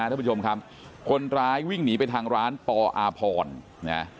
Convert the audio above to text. ท่านผู้ชมครับคนร้ายวิ่งหนีไปทางร้านปอาพรนะ